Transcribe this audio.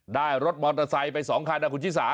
ได้รถมอเตอร์ไซค์ไปสองค่ายด้านหุ่นชี่สา